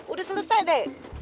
udah selesai deh